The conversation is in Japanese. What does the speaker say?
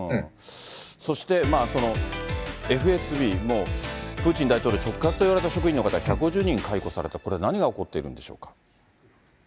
そしてＦＳＢ、プーチン大統領直轄といわれた職員の方、１５０人解雇された、これは何が起こっているんでしょうか。